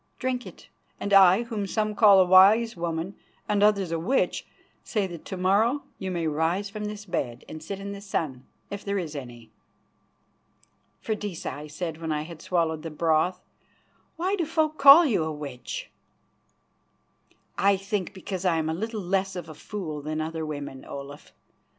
Drink it, and I, whom some call a wise woman and others a witch, say that to morrow you may rise from this bed and sit in the sun, if there is any." "Freydisa," I said when I had swallowed the broth, "why do folk call you a witch?" "I think because I am a little less of a fool than other women, Olaf.